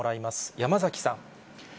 山崎さん。